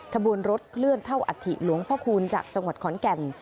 ขบวนรถเคลื่อนเท่าอัฐิหลวงพ่อคูณจากจังหวัดขอนแก่น